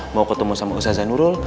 mau ketemu sama ustadz zainul